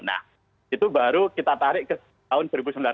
nah itu baru kita tarik ke tahun seribu sembilan ratus sembilan puluh